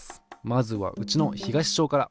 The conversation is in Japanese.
まずはうちの東小から。